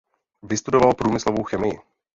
Vystudoval průmyslovou chemii.